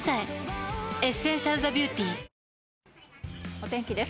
お天気です。